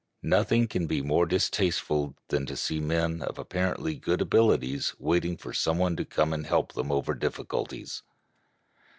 Nothing can be more distasteful than to see men of apparently good abilities waiting for some one to come and help them over difficulties.